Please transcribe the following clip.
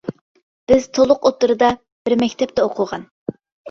بىز تولۇق ئوتتۇرىدا بىر مەكتەپتە ئوقۇغان.